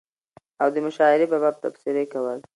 او دمشاعرې په باب تبصرې کول